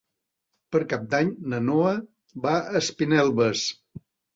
Per Cap d'Any na Noa va a Espinelves.